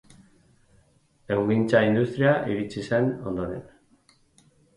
Ehungintza industria iritsi zen ondoren.